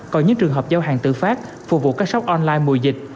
còn những trường hợp giao hàng tự phát phục vụ các shop online mùa dịch